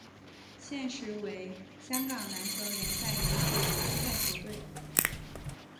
现时为香港篮球联赛乙组参赛球队。